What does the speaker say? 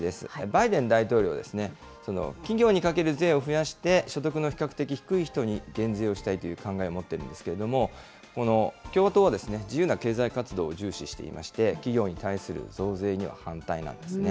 バイデン大統領ですね、企業にかける税を増やして、所得の比較的低い人に減税をしたいという考えを持っているんですけれども、この共和党は、自由な経済活動を重視していまして、企業に対する増税には反対なんですね。